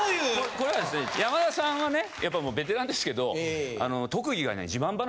これはですね山田さんはねやっぱもうベテランですけど。